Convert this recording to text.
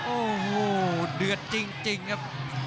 โอ้โหเดือดจริงครับ